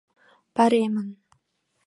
«Паремын»!